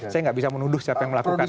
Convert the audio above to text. saya nggak bisa menuduh siapa yang melakukan